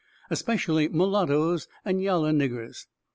Especially mulattoes and yaller niggers.